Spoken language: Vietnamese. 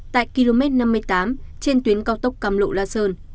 tại km năm mươi tám trên tuyến cao tốc cam lộ la sơn